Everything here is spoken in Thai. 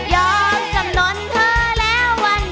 ยอมจำนวนเธอแล้วว่าได้